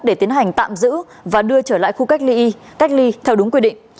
để tiến hành tạm giữ và đưa trở lại khu cách ly y cách ly theo đúng quy định